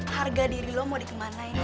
harga diri lo mau dikemanain